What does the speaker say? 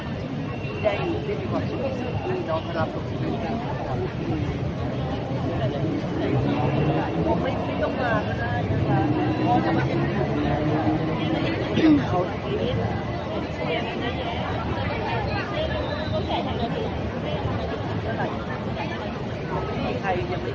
ในใดหนึ่งที่มีความสุขคือต้องพร้อมต่อสิ่งที่มีความสุข